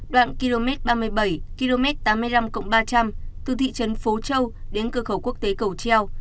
đoạn km ba mươi bảy km tám mươi năm ba trăm linh từ thị trấn phố châu đến cơ khẩu quốc tế cầu treo